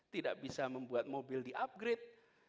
tidak bisa membuat mobil di upgrade